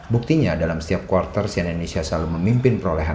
buktinya dalam setiap kuartal siena indonesia selalu memimpin prole langkah